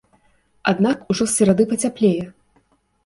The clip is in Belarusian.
Аднак ужо з серады пацяплее.